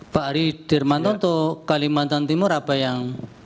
pak arie dirmanto kalimantan timur apa yang